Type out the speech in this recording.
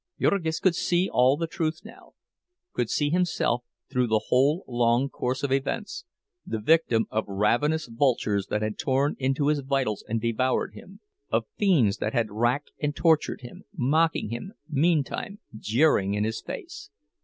Jurgis could see all the truth now—could see himself, through the whole long course of events, the victim of ravenous vultures that had torn into his vitals and devoured him; of fiends that had racked and tortured him, mocking him, meantime, jeering in his face.